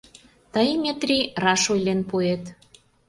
Тый, Метри, раш ойлен пуэт...